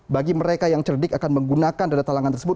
bagi mereka yang cerdik akan menggunakan dana talangan tersebut